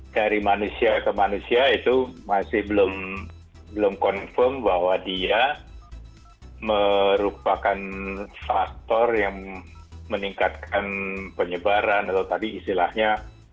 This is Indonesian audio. dari manusia ke manusia itu masih belum confirm bahwa dia merupakan faktor yang meningkatkan penyebaran atau tadi istilahnya